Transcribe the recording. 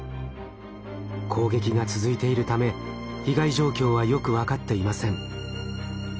攻撃が続いているため被害状況はよく分かっていません。